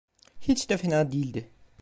Hiç de fena değildi.